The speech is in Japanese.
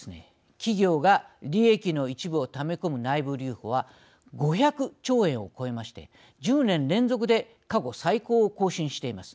企業が利益の一部をため込む内部留保は５００兆円を超えまして１０年連続で過去最高を更新しています。